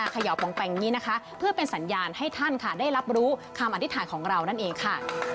เขย่าปองแปลงนี้นะคะเพื่อเป็นสัญญาณให้ท่านค่ะได้รับรู้คำอธิษฐานของเรานั่นเองค่ะ